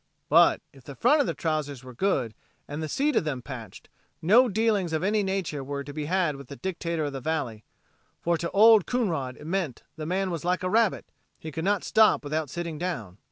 But, if the front of the trousers were good and the seat of them patched, no dealings of any nature were to be had with the dictator of the valley, for to Old Coonrod it meant the man "was like a rabbit; he could not stop without sitting down."